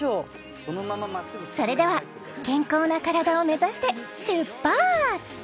［それでは健康な体を目指して出発！］